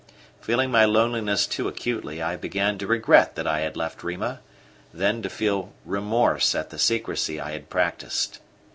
Feeling my loneliness too acutely, I began to regret that I had left Rima, then to feel remorse at the secrecy I had practiced.